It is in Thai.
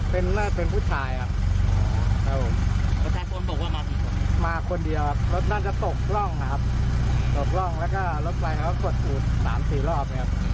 เพราะฉะนั้นชนมอเตอร์ไซค์กับ